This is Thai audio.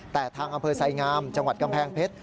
แต่ทางอำเภอไสงามจังหวัดกำแพงเพชร